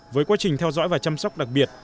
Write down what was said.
với quá trình theo dõi và chăm sóc đặc biệt